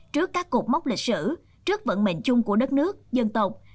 trước các cuộc móc lịch sử trước vận mệnh chung của đất nước dân tộc